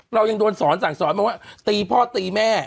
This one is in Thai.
เรายังโดนสอนสั่งสอนมาว่าตีพ่อตีแม่